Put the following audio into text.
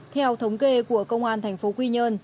theo thống kê của công an tp quy nhơn